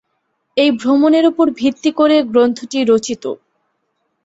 এই ভ্রমণের ওপর ভিত্তি করে গ্রন্থটি রচিত।